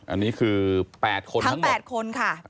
อันนี้คือ๘คนทั้งหมดทั้ง๘คนค่ะทั้ง๘คน